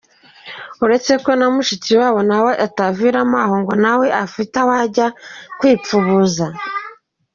Uretse ko na Mushikiwacu nawe ataviramo aho ngo nawe afite aho ajya kwipfubuza!